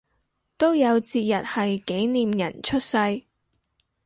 都有節日係紀念人出世